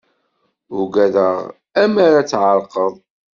Ugadeɣ amar ad tεerqeḍ.